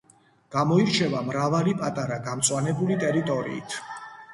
გამოირჩევა მრავალი პატარა გამწვანებული ტერიტორიით.